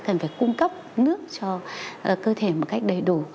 cần phải cung cấp nước cho cơ thể một cách đầy đủ